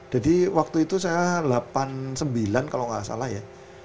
jadi waktu itu saya delapan puluh sembilan kalau nggak salah ya